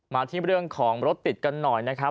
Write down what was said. มาที่เรื่องของรถติดกันหน่อยนะครับ